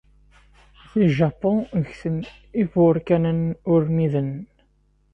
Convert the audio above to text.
Di Japan, ggten ibuṛkanen urmiden.